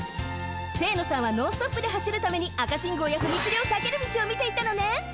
清野さんはノンストップではしるために赤信号や踏切をさける道をみていたのね。